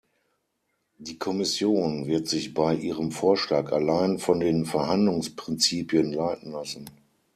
Die Kommission wird sich bei ihrem Vorschlag allein von den Verhandlungsprinzipien leiten lassen.